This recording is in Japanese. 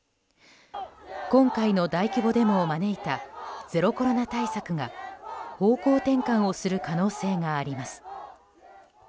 今回の大規模デモを招いたゼロコロナ対策が方向転換をする可能性があります。